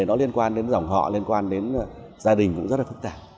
nó liên quan đến dòng họ liên quan đến gia đình cũng rất là phức tạp